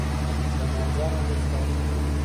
د نازیانو ولسوالۍ لیرې ده